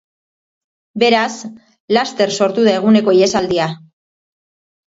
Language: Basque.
Beraz, laster sortu da eguneko ihesaldia.